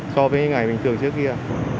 so với ngày bình thường trước kia